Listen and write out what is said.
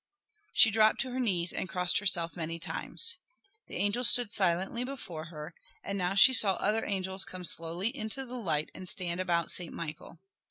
She dropped to her knees and crossed herself many times. The angel stood silently before her, and now she saw other angels come slowly into the light and stand about Saint Michael.